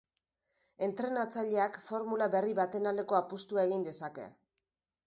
Entrenatzaileak formula berri baten aldeko apustua egin dezake.